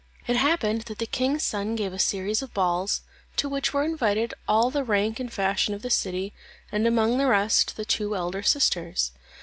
It happened that the king's son gave a series of balls, to which were invited all the rank and fashion of the city, and among the rest the two elder sisters.